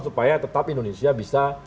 supaya tetap indonesia bisa